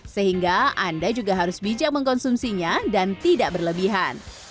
sehingga anda juga harus bijak mengkonsumsinya dan tidak berlebihan